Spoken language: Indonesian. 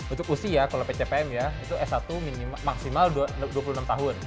untuk usia kalau pcpm ya itu s satu maksimal dua puluh enam tahun